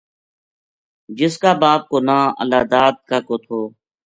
جس کا باپ کو نا اللہ داد کاکو تھو